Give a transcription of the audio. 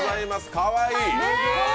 かわいい。